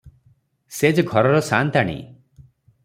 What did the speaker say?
ସେ ଯେ ଘରର ସାନ୍ତାଣୀ ।